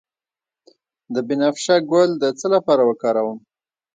د بنفشه ګل د څه لپاره وکاروم؟